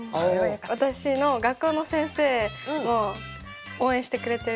私の学校の先生も応援してくれてるんですけど。